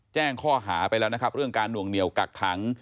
แจ้งข้อหาไปแล้วนะครับเรื่องการหน่วงเหนียวกักขัง